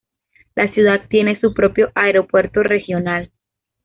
La ciudad tiene su propio aeropuerto regional.